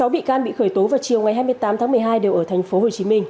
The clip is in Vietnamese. sáu bị can bị khởi tố vào chiều ngày hai mươi tám tháng một mươi hai đều ở tp hcm